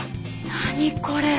何これ。